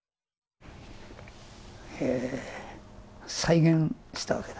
へぇ再現したわけだ。